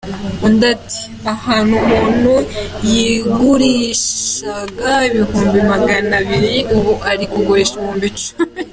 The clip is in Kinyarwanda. Undi ati “Ahantu umuntu yagurishaga ibihumbi magana abiri ubu ari kuhagurisha ibihumbi icumi .